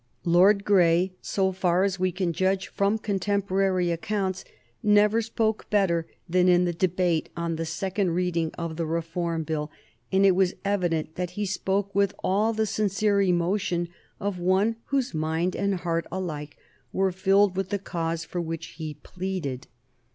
Lord Grey, so far as we can judge from contemporary accounts, never spoke better than in the debate on the second reading of the Reform Bill, and it was evident that he spoke with all the sincere emotion of one whose mind and heart alike were filled with the cause for which he pleaded.